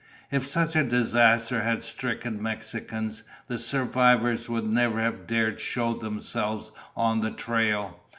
If such a disaster had stricken Mexicans, the survivors would never have dared show themselves on the trail.